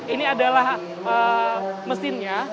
ini adalah mesinnya